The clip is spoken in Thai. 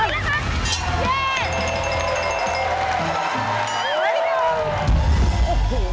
เย็น